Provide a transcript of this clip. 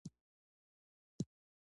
نجلۍ له دعا نه ارام اخلي.